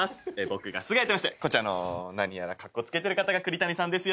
僕がすがやといいましてこちらの何やらカッコつけてる方が栗谷さんです。